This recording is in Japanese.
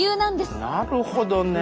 なるほどね。